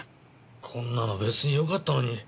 こんなの別によかったのに。